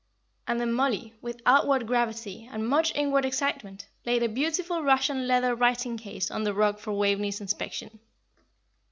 And then Mollie, with outward gravity, and much inward excitement, laid a beautiful Russian leather writing case on the rug for Waveney's inspection.